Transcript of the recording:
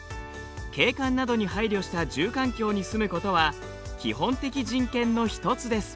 景観などに配慮した住環境に住むことは基本的人権のひとつです。